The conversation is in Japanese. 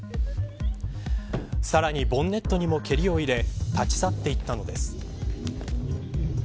さらにボンネットにも蹴りを入れ立ち去って行ったのです。